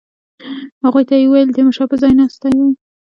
هغوی ته یې وویل تیمورشاه به ځای ناستی وي.